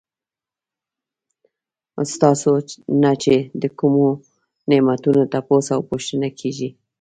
ستاسو نه چې د کومو نعمتونو تپوس او پوښتنه کيږي